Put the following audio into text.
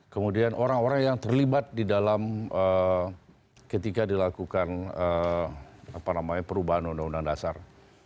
kemudian orang orang yang terlibat di dalam ketika dilakukan perubahan undang undang dasar